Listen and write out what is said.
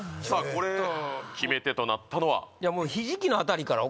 これ決め手となったのは？